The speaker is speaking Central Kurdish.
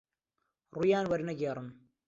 ڕوویان وەرنەگێڕن